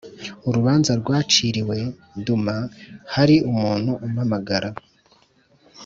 Urubanza rwaciriwe Duma hari umuntu umpamagara